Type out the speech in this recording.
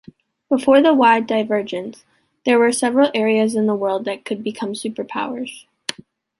Before the wide divergence, there were several areas in the world that could become superpowers.